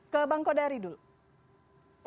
ke bang kodari dulu